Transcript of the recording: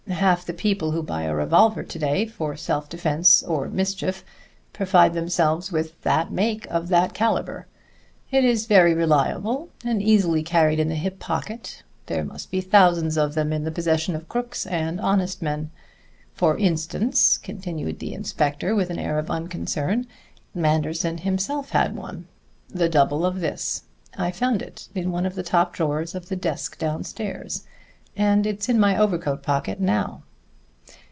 Half the people who buy a revolver to day for self defense or mischief provide themselves with that make, of that caliber. It is very reliable, and easily carried in the hip pocket. There must be thousands of them in the possession of crooks and honest men. For instance," continued the inspector with an air of unconcern, "Manderson himself had one, the double of this. I found it in one of the top drawers of the desk downstairs, and it's in my overcoat pocket now."